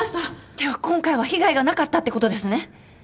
では今回は被害がなかったってことですね？